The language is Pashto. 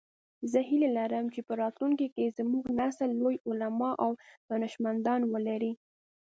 زه هیله لرم چې په راتلونکي کې زموږ نسل لوی علماء او دانشمندان ولری